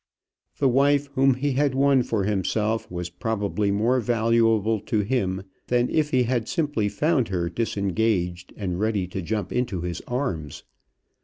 The wife whom he had won for himself was probably more valuable to him than if he had simply found her disengaged and ready to jump into his arms.